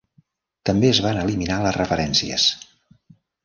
També es van eliminar les referències.